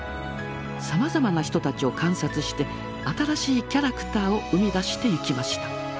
さまざまな人たちを観察して新しいキャラクターを生み出していきました。